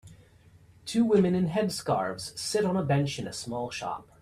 Two women in headscarves sit on a bench in a small shop.